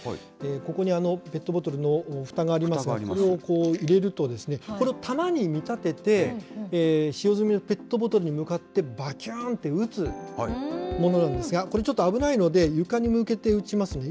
ここにペットボトルのふたがありますが、これを、こう入れると、これを弾に見立てて、使用済みのペットボトルに向かって、ばきゅんと撃つものなんですが、これちょっと危ないので、床に向けて撃ちますね。